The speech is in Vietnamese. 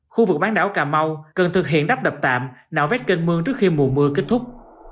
khu vực bán đảo cà mau cần thực hiện đắp đập tạm nạo vét kênh mương trước khi mùa mưa kết thúc